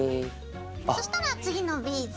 そしたら次のビーズ。